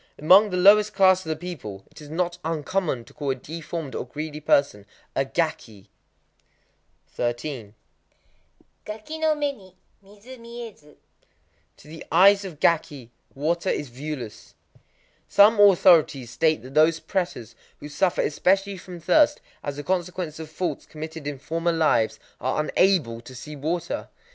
—Among the lowest classes of the people it is not uncommon to call a deformed or greedy person a "gaki." 13.—Gaki no mé ni midzu miézu. To the eyes of gaki water is viewless. Some authorities state that those prêtas who suffer especially from thirst, as a consequence of faults committed in former lives, are unable to see water.